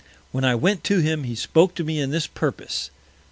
When I went to him, he spoke to me to this Purpose.